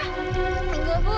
bunting gak bu